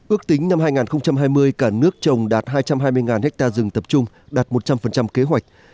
ước tính năm hai nghìn hai mươi cả nước trồng đạt hai trăm hai mươi ha rừng tập trung đạt một trăm linh kế hoạch